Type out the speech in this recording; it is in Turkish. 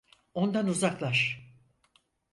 Ondan uzaklaş!